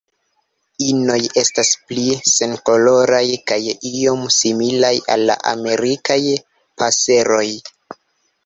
Inoj estas pli senkoloraj kaj iom similaj al la Amerikaj paseroj.